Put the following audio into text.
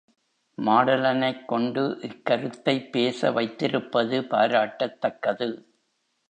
மாடலனைக் கொண்டு இக்கருத்தைப் பேச வைத்திருப்பது பாராட்டத்தக்கது.